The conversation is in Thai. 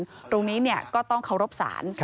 ตรงนี้ก็ต้องเคารพศาล